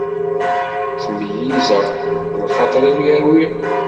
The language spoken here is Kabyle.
Ttmeyyizeɣ, lxaṭer-iw irwi.